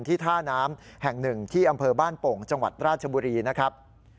ท่าน้ำแห่งหนึ่งที่อำเภอบ้านโป่งจังหวัดราชบุรีนะครับ